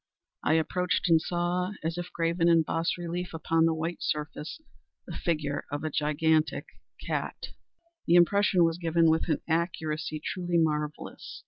I approached and saw, as if graven in bas relief upon the white surface, the figure of a gigantic cat. The impression was given with an accuracy truly marvellous.